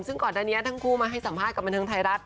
ซึ่งก่อนหน้านี้ทั้งคู่มาให้สัมภาษณ์กับบันเทิงไทยรัฐ